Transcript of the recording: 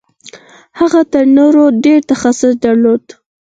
هغه تر نورو ډېر تخصص درلود.